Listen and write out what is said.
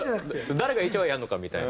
誰がＨＹやるのかみたいな。